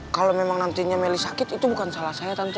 kalau memang nantinya melly sakit itu bukan salah saya tentu